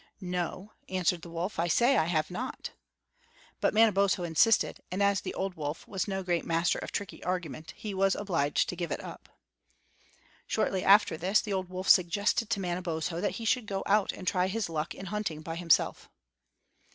"No," answered the wolf, "I say I have not." But Manabozho insisted, and as the old wolf was no great master of tricky argument, he was obliged to give it up. Shortly after this the old wolf suggested to Manabozho that he should go out and try his luck in hunting by himself.